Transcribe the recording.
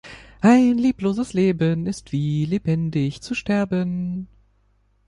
Ein liebloses Leben ist wie lebendig zu sterben.